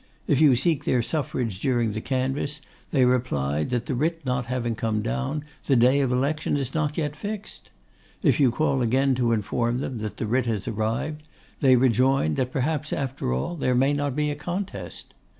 If you seek their suffrage during the canvass, they reply, that the writ not having come down, the day of election is not yet fixed. If you call again to inform them that the writ has arrived, they rejoin, that perhaps after all there may not be a contest.